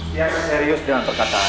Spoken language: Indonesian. tiana serius dengan perkataan